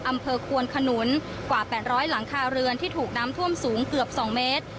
อำเภอควนขนุนกว่า๘๐๐หลังคาเรือนที่ถูกน้ำท่วมสูงเกือบ๒เมตร